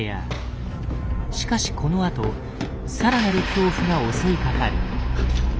しかしこのあとさらなる恐怖が襲いかかる。